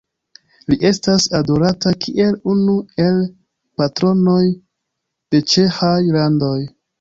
Li estas adorata kiel unu el patronoj de ĉeĥaj landoj.